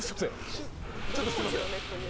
ちょっとすいません俺。